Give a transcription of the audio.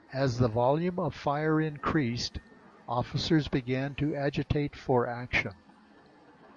As the volume of fire increased, officers began to agitate for action.